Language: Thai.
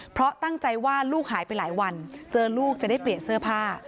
เพราะตั้งใจว่าลูกหายไปหลายวันเจอลูกจะได้เปลี่ยนเสื้อผ้า